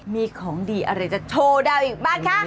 มีของดีอะไรจะโชว์ดาวอีกบ้างคะ